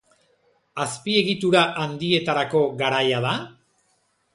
Azpiegitura handietarako garaia da?